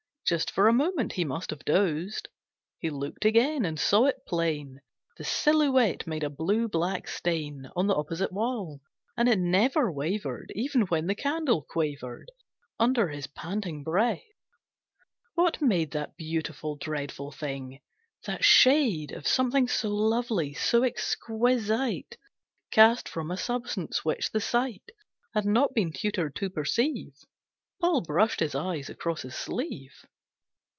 Just for a moment he must have dozed. He looked again, and saw it plain. The silhouette made a blue black stain On the opposite wall, and it never wavered Even when the candle quavered Under his panting breath. What made That beautiful, dreadful thing, that shade Of something so lovely, so exquisite, Cast from a substance which the sight Had not been tutored to perceive? Paul brushed his eyes across his sleeve.